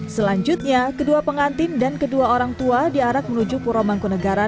selanjutnya kedua pengantin dan kedua orang tua diarat menuju pura mangku negara